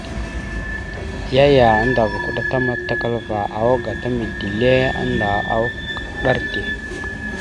Yaya andava kuɗa ta matakalva awak gata mide ille annda awak ɗar te.